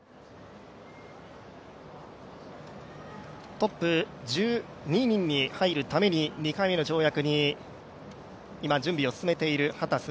トップ１２人に入るために、２回目の跳躍の今、準備を進めている秦澄